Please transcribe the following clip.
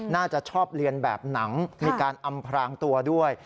น่าจะชอบเรียนแบบหนังมีการอำพรางตัวด้วย